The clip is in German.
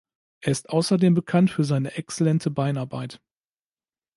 Er ist außerdem bekannt für seine exzellente Beinarbeit.